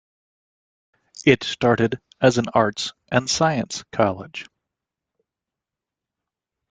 It started as an Arts and Science college.